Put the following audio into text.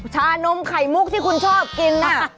ชานมไข่มุกที่คุณชอบกินน่ะ